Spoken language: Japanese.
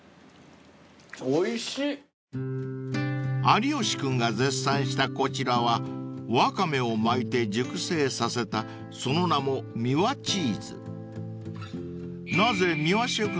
［有吉君が絶賛したこちらはワカメを巻いて熟成させたその名もミワチーズ］